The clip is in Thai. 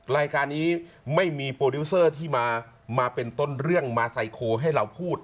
รายการนี้ไม่มีโปรดิวเซอร์ที่มาเป็นต้นเรื่องมาไซโคให้เราพูด